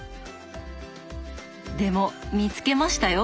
でも見つけましたよ。